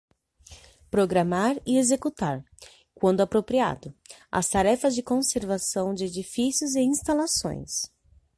Programar e executar, quando apropriado, as tarefas de conservação de edifícios e instalações.